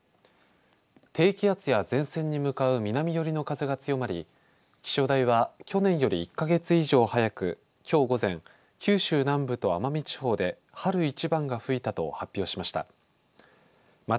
低気圧や前線に向かう南寄りの風が強まり気象台は去年より１か月以上早くきょう午前九州南部と奄美地方で春一番が吹いたと発表しました。